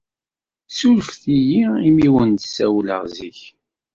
Surfet-iyi imi wen-d-ssawleɣ zik.